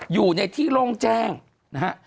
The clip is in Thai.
อยู่ในที่โล่งแจ้งนะฮะ